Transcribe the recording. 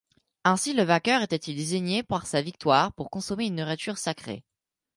Ainsi, le vainqueur était-il désigné par sa victoire pour consommer une nourriture sacrée.